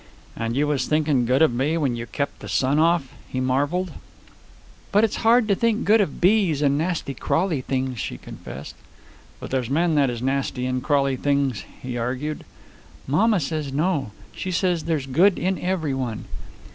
"And you was thinkin' good of me when you kept the sun off," he marveled. "But it's hard to think good of bees and nasty crawly things," she confessed. "But there's men that is nasty and crawly things," he argued. "Mamma says no. She says there's good in everyone.